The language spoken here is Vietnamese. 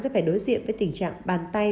sẽ phải đối diện với tình trạng bàn tay